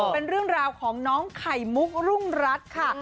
เป็นเรื่องราวของน้องไข่มุกรุ่งรัฐค่ะ